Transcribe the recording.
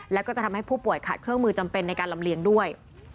แล้วก็จะทำให้ผู้ป่วยขาดเครื่องมือจำเป็นในการลำเลียงด้วย